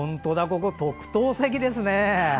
ここ特等席ですね！